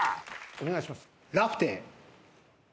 お願いします。